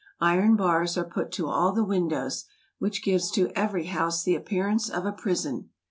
Iron bars are put « to all the windows; which gives to every house the appearance of a prison.